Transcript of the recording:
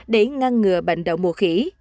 để ngăn ngừa bệnh đậu mùa khỉ